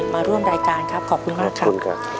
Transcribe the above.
มาร่วมรายการครับขอบคุณมากครับ